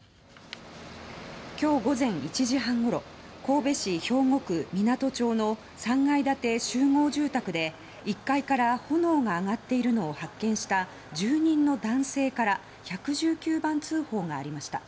今日午前１時半ごろ神戸市兵庫区湊町の３階建て集合住宅で１階から炎が上がっているのを発見した住人の男性から１１９番通報がありました。